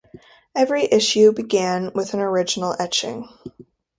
Every issue began with an original etching.